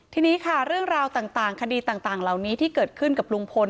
ทีนี้ค่ะเรื่องราวต่างคดีต่างเหล่านี้ที่เกิดขึ้นกับลุงพล